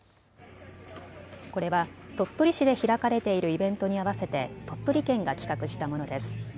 これは鳥取市で開かれているイベントに合わせて鳥取県が企画したものです。